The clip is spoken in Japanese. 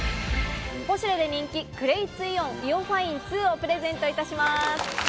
ポシュレで人気「クレイツイオンＩＯファイン２」をプレゼントいたします。